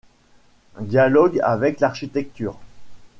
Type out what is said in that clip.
Dialogue avec l'architecture.